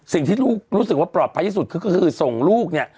สิ่งที่ลูกรู้สึกว่าปลอดภัยที่สุดคือก็คือส่งลูกเนี่ย